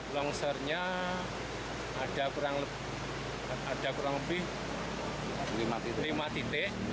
longsornya ada kurang lebih lima titik